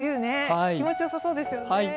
ゆず湯、気持ちよさそうですよね。